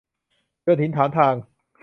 โยนหินถามทาง